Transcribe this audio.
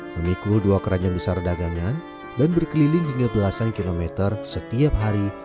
memikul dua kerajaan besar dagangan dan berkeliling hingga belasan kilometer setiap hari